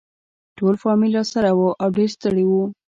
ټول فامیل راسره وو او ډېر ستړي وو.